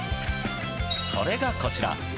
それが、こちら。